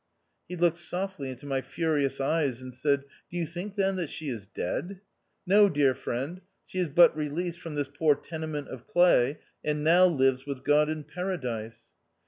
He looked softly into my furious eyes and said, " Do you think, then, that she is dead ? No, dear friend, she is but released from this poor tenement of clay, and now lives with God in paradise."